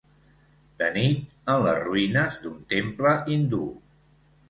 De nit, en les ruïnes d'un temple hindú.